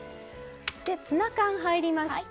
ツナ缶入りました。